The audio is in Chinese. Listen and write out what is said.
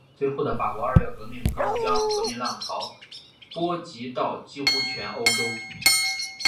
随后的法国二月革命更是将革命浪潮波及到几乎全欧洲。